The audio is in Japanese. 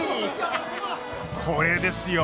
これですよ！